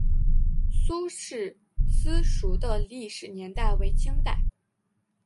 苏氏私塾的历史年代为清代。